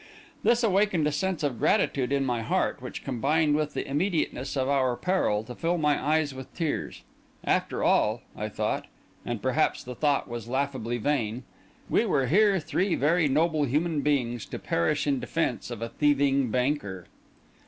This awakened a sense of gratitude in my heart, which combined with the immediateness of our peril to fill my eyes with tears. After all, I thought—and perhaps the thought was laughably vain—we were here three very noble human beings to perish in defence of a thieving banker.